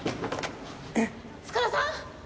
塚田さん！？